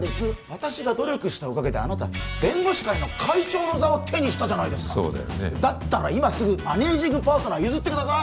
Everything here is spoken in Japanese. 私が努力したおかげであなた弁護士会の会長の座を手にしたじゃないですかそうだよねだったら今すぐマネージングパートナー譲ってください！